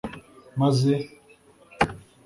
maze